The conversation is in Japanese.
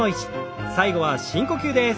最後は深呼吸です。